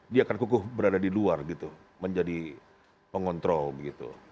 dia akan kukuh berada di luar gitu menjadi pengontrol gitu